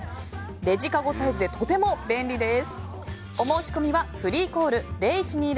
レジかごサイズでとても便利です。